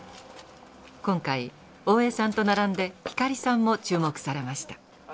今回大江さんと並んで光さんも注目されました。